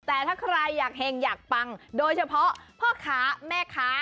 แต่ถ้าใครอยากเห็งอยากปังโดยเฉพาะพ่อค้าแม่ค้า